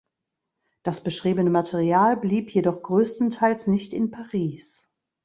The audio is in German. Das beschriebene Material blieb jedoch größtenteils nicht in Paris.